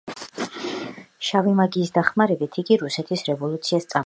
შავი მაგიის დახმარებით იგი რუსეთის რევოლუციას წამოიწყებს.